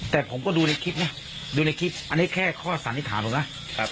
แต่ผมก็ดูในคลิปนะดูในคลิปอันนี้แค่ข้อสันนิษฐานผมนะ